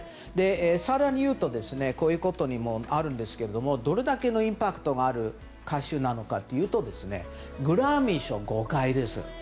更に言うとこういうことにもあるんですがどれだけのインパクトがある歌手なのかというとグラミー賞、５回です。